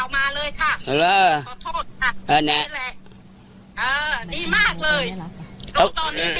ไม่อายใจค่ะ